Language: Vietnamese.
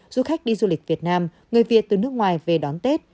du khách đi du lịch việt nam người việt từ nước ngoài về đón tết